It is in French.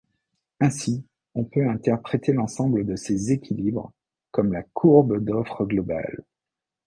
Ainsi, on peut interpréter l'ensemble de ces équilibres comme la courbe d'Offre Globale.